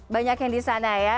banyakin di sana ya